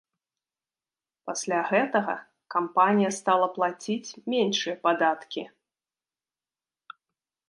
Пасля гэтага кампанія стала плаціць меншыя падаткі.